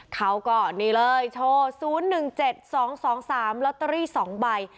เขาก็นี่เลยโชว์๐๑๗๒๒๓ลอตเตอรี่๒ใบ